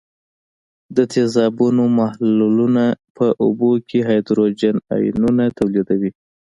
د تیزابونو محلولونه په اوبو کې هایدروجن آیونونه تولیدوي.